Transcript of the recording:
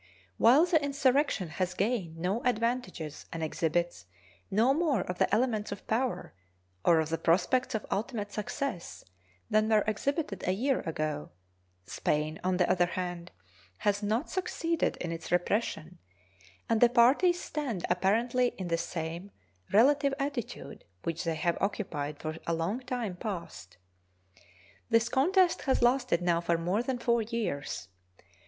While the insurrection has gained no advantages and exhibits no more of the elements of power or of the prospects of ultimate success than were exhibited a year ago, Spain, on the other hand, has not succeeded in its repression, and the parties stand apparently in the same relative attitude which they have occupied for a long time past. This contest has lasted now for more than four years.